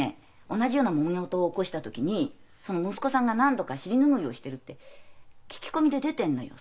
同じようなもめ事を起こした時にその息子さんが何度か尻拭いをしてるって聞き込みで出てんのよ。